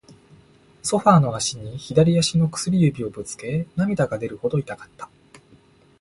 ソファーの脚に、左足の薬指をぶつけ、涙が出るほど痛かった。